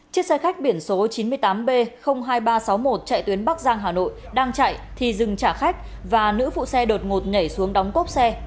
chiếc xe khách biển số chín mươi tám b hai nghìn ba trăm sáu mươi một chạy tuyến bắc giang hà nội đang chạy thì dừng trả khách và nữ phụ xe đột ngột nhảy xuống đóng cốp xe